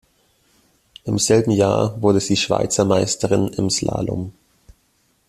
Im selben Jahr wurde sie Schweizer Meisterin im Slalom.